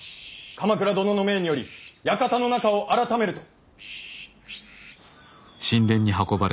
鎌倉殿の命により館の中をあらためると。